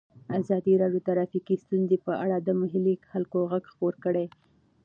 ازادي راډیو د ټرافیکي ستونزې په اړه د محلي خلکو غږ خپور کړی.